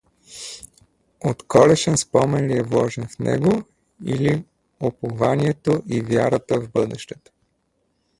Отколешен спомен ли е вложен в него, или упованието и вярата в бъдещето?